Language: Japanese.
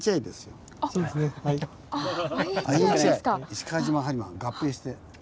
石川島播磨合併して。